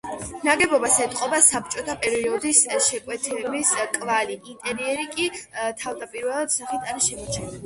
ნაგებობას ეტყობა საბჭოთა პერიოდის შეკვეთების კვალი, ინტერიერი კი, თავდაპირველი სახით არის შემოჩენილი.